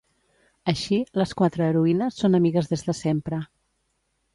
Així, les quatre heroïnes són amigues des de sempre.